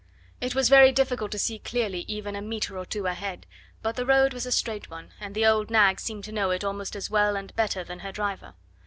It was very difficult to see clearly even a metre or two ahead, but the road was a straight one, and the old nag seemed to know it almost as well and better than her driver.